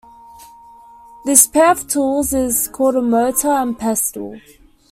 This pair of tools is called a mortar and pestle.